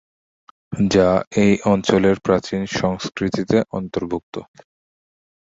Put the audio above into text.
যা এই অঞ্চলের প্রাচীন সংস্কৃতিতে অন্তর্ভুক্ত।